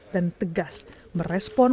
dan tegas merespon